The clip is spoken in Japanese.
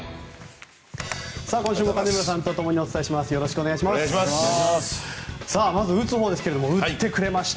今週も金村さんと共にお伝えします。